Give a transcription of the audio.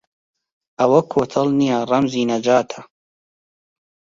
ئەوە کۆتەڵ نییە ڕەمزی نەجاتە